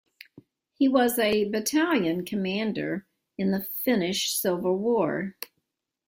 He was a battalion commander in the Finnish Civil War.